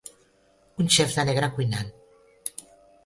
Un xef de negre cuinant.